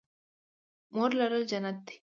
مور لرل جنت دی